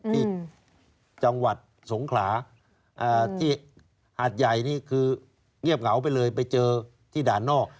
ที่จังหวัดสงขลาที่หาดใหญ่นี่คือเงียบเหงาไปเลยไปเจอที่ด่านนอก